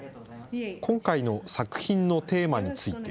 今回の作品のテーマについて。